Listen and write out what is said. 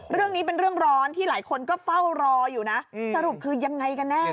เรื่องนี้เป็นเรื่องร้อนที่หลายคนก็เฝ้ารออยู่นะสรุปคือยังไงกันแน่